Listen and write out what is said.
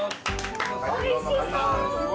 おいしそう！